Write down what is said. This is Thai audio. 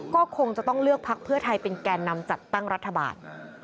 ก็คงจะต้องเลือกพักเพื่อไทยเป็นแก่นำจัดตั้งรัฐบาล